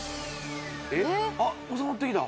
あっ収まってきた。